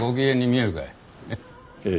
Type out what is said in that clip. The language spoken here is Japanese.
ええ。